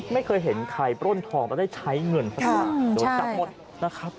ไม่เคยเห็นใครปล้นทองแล้วได้ใช้เงินสักบาทโดนจับหมดนะครับ